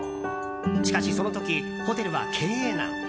しかしその時、ホテルは経営難。